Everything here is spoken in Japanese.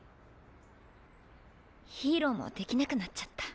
ヒーローもできなくなっちゃった。